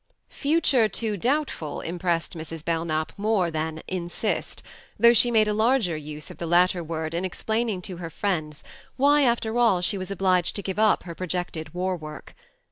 " Future too doubtful " impressed Mrs. Belknap more than " Insist," though she made a larger use of the latter word in explaining to her friends why, after all, she was obliged to give up her projected war work.